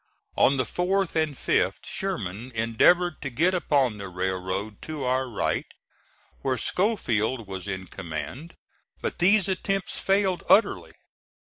On the 4th and 5th Sherman endeavored to get upon the railroad to our right, where Schofield was in command, but these attempts failed utterly.